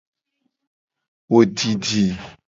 Wo didi.